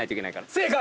正解！